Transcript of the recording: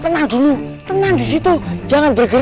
tenang dulu tenang disitu jangan bergerak